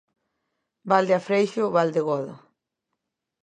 Val de Afreixo, Val de Godo.